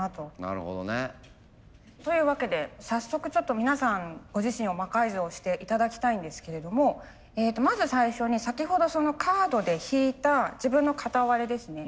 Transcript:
なるほどね。というわけで早速ちょっと皆さんご自身を魔改造して頂きたいんですけれどもまず最初に先ほどカードで引いた自分の片割れですね。